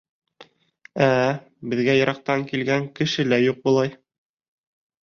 — Ә-ә... беҙгә йыраҡтан килгән кеше лә юҡ былай.